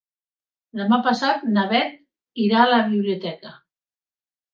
Demà passat na Bet irà a la biblioteca.